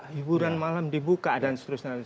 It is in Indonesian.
hiburan malam dibuka dan seterusnya